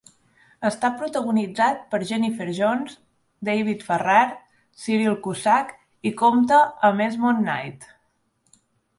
Està protagonitzat per Jennifer Jones, David Farrar i Cyril Cusack i compta amb Esmond Knight.